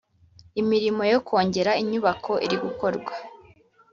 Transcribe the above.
imirimo yo kongera inyubako irigukorwa.